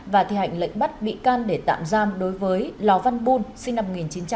và thi hành lệnh bắt bị can để tạm giam đối với lò văn buôn sinh năm một nghìn chín trăm sáu mươi sáu